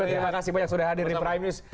terima kasih banyak sudah hadir di prime news